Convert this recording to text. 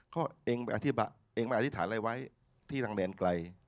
เขาบอกว่าเองมาอธิษฐานอะไรไว้ที่ทางเดียนไกล